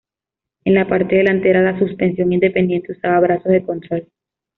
En la parte delantera, la suspensión independiente usaba brazos de control.